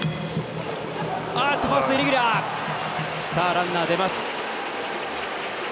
ランナー出ます。